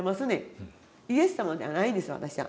イエス様ではないんです私は。